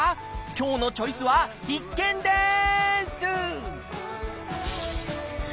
今日の「チョイス」は必見です！